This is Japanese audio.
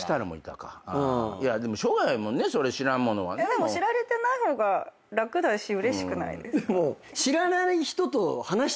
でも知られてない方が楽だしうれしくないですか？